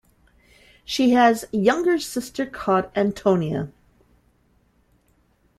She has younger sister called Antonia.